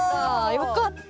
よかった。